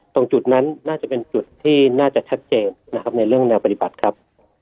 ตรงจุดนั้นน่าจะเป็นจุดที่น่าจะชัดเจนนะครับในเรื่องแนวปฏิบัติครับ